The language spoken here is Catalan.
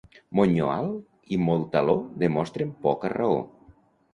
Monyo alt i molt taló demostren poca raó.